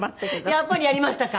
やっぱりやりましたか。